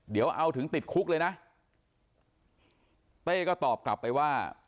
เดี๋ยวเอาถึงติดคุกเลยนะเต้ก็ตอบกลับไปว่า